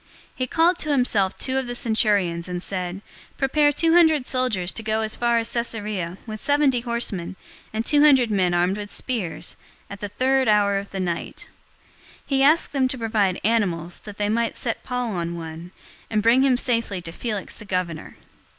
023:023 He called to himself two of the centurions, and said, "Prepare two hundred soldiers to go as far as Caesarea, with seventy horsemen, and two hundred men armed with spears, at the third hour of the night{about 9:00 PM}." 023:024 He asked them to provide animals, that they might set Paul on one, and bring him safely to Felix the governor.